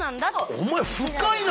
お前深いな！